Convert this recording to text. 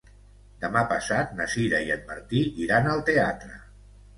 Demà passat na Sira i en Martí iran al teatre.